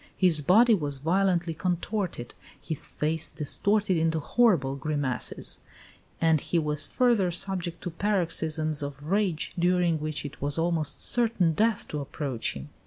His body was violently contorted; his face distorted into horrible grimaces; and he was further subject to paroxysms of rage, during which it was almost certain death to approach him."